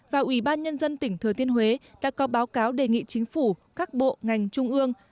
và ủy ban nhân dân tỉnh thừa thiên huế đã có báo cáo đề nghị chính phủ các bộ ngành trung ương